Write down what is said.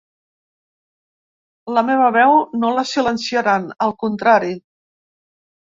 La meva veu no la silenciaran, al contrari.